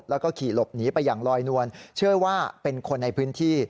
แล้วก็ขี่หลบหนีไปอย่างลอยนวลเชื่อว่าเป็นคนในพื้นที่